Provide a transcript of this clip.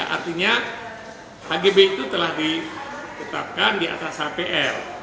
artinya hgb itu telah ditetapkan di atas hpl